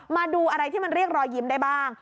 มาดูอะไรที่มันเรียกรอยยิ้มได้บ้าง